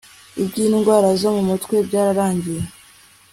iby indwara zo mu mutwe byararangiye